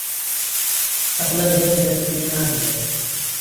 چەپڵە بە یەک دەست لێ نادرێت